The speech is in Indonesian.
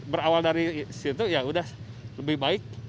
berawal dari situ ya udah lebih baik